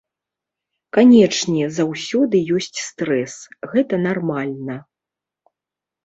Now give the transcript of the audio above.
Канечне, заўсёды ёсць стрэс, гэта нармальна.